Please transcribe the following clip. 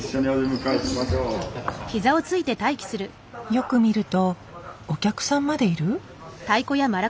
よく見るとお客さんまでいる？